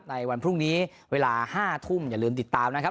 ในวันพรุ่งนี้เวลา๕ทุ่มอย่าลืมติดตามนะครับ